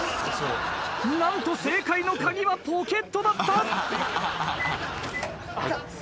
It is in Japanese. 何と正解の鍵はポケットだった。